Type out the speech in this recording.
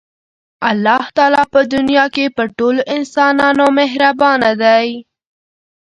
الله تعالی په دنیا کې په ټولو انسانانو مهربانه دی.